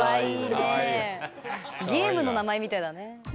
ゲームの名前みたいだね。